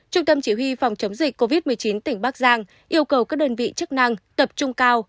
trung tâm chỉ huy phòng chống dịch covid một mươi chín tỉnh bắc giang yêu cầu các đơn vị chức năng tập trung cao